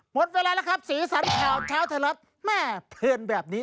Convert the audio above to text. หมดเวลาแล้วครับสีสันข่าวเช้าไทยรัฐแม่เพลินแบบนี้